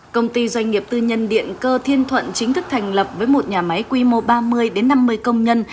công ty doanh nghiệp tư nhân điện cơ thiên thuận chính thức thành lập với một nhà máy quy mô ba mươi năm mươi công nhân